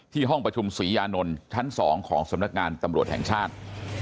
ห้องประชุมศรียานนท์ชั้น๒ของสำนักงานตำรวจแห่งชาติ